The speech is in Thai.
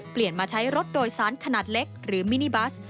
เปลี่ยนมาใช้รถโดยสารขนาดเล็กหรือมินิบัส